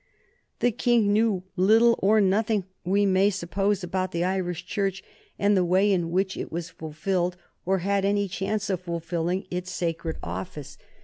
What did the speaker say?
The King knew little or nothing, we may well suppose, about the Irish Church and the way in which it fulfilled, or had any chance of fulfilling, its sacred office.